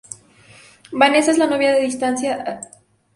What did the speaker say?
Vanessa es la novia que distancia a Chris de su familia.